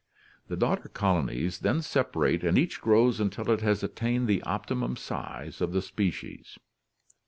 The daughter colonies then separate and each grows until it has attained the optimum size of the species.